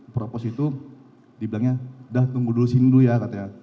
propos itu dibilangnya dah tunggu dulu sindu ya katanya